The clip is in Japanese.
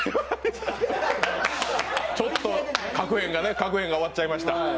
ちょっと確編がおわっちゃいました。